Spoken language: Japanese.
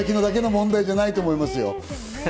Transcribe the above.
指先だけの問題じゃないと思いますよ。